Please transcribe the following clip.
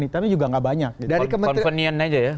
hitamnya juga gak banyak convenience aja ya